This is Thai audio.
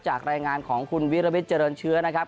รายงานของคุณวิรวิทย์เจริญเชื้อนะครับ